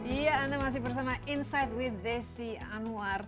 iya anda masih bersama insight with desi anwar